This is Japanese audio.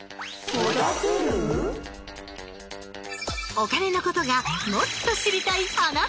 お金のことがもっと知りたいあなた！